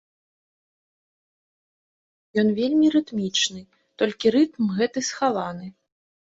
Ён вельмі рытмічны, толькі рытм гэты схаваны.